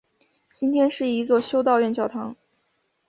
今天是一座修道院教堂。